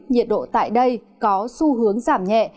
nhiệt độ tại đây có xu hướng giảm nhẹ